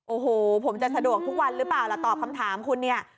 โอ้โหผมจะสะดวกทุกวันหรือเปล่าล่ะตอบคำถามคุณเนี่ย